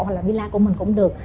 hoặc là villa của mình cũng được